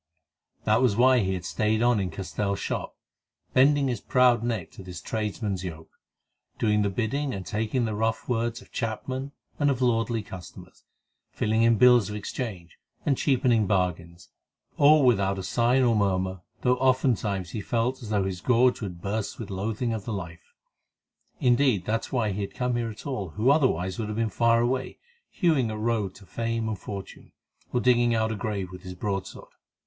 That was why he had stayed on in Castell's shop, bending his proud neck to this tradesman's yoke, doing the bidding and taking the rough words of chapmen and of lordly customers, filling in bills of exchange, and cheapening bargains, all without a sign or murmur, though oftentimes he felt as though his gorge would burst with loathing of the life. Indeed, that was why he had come there at all, who otherwise would have been far away, hewing a road to fame and fortune, or digging out a grave with his broadsword.